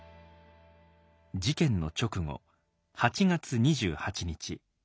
事件の直後８月２８日。